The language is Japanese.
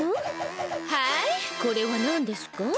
はいこれはなんですか？